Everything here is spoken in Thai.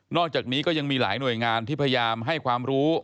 อกจากนี้ก็ยังมีหลายหน่วยงานที่พยายามให้ความรู้